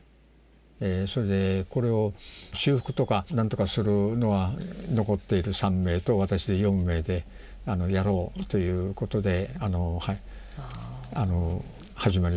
それでこれを修復とか何とかするのは残っている３名と私で４名でやろうということで始まりました。